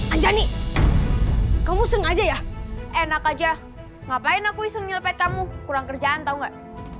anjani kamu seng aja ya enak aja ngapain aku iseng nyelepet kamu kurang kerjaan tau gak